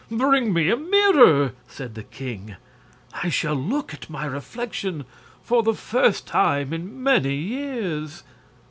"Bring me a mirror!" said the king. "I shall look at my reflection for the first time in many years."